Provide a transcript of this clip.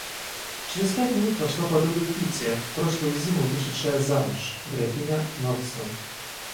Через пять минут вошла подруга Кити, прошлую зиму вышедшая замуж, графиня Нордстон.